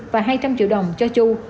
và hai trăm linh triệu đồng cho chu